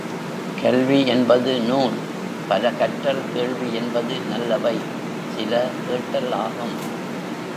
கல்வி என்பது நூல் பல கற்றல் கேள்வி என்பது நல்லவை சில கேட்டல் ஆகும்.